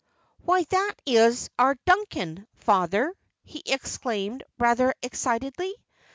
"Why, that is our Duncan, father!" he exclaimed, rather excitedly.